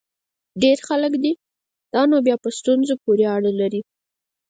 ډېر خلک دي؟ دا نو بیا په ستونزه پورې اړه لري.